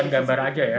selain gambar aja ya